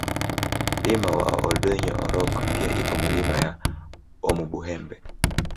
Mlima wa Oldoinyo Orok pia ipo Milima ya Omubuhembe